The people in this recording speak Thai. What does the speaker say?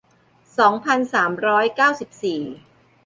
สองพันสามร้อยเก้าสิบสี่